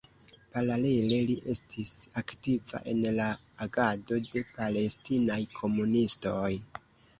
Paralele li estis aktiva en la agado de palestinaj komunistoj.